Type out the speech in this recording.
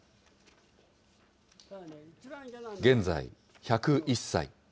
現在１０１歳。